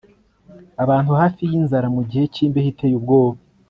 Abantu hafi yinzara mugihe cyimbeho iteye ubwoba